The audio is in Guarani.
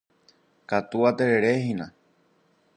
Katu atererehína.